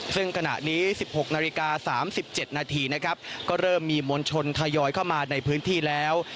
ซึ่งขณะนี้๑๖นาฬิกา๓๗นาทีนะครับก็เริ่มมีมวลชนทยอยเข้ามาในพื้นที่แล้ว